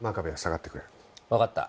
わかった。